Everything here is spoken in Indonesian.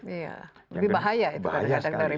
lebih bahaya itu daripada virusnya itu sendiri